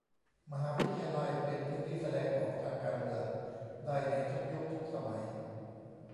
มหาวิทยาลัยเป็นพื้นที่แสดงออกทางการเมืองได้ในทุกยุคทุกสมัย